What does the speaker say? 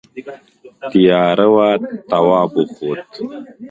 تیاره وه تواب وخوت.